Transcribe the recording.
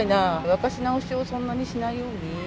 沸かし直しをそんなにしないように。